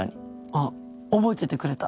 あっ覚えててくれた。